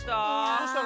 どうした？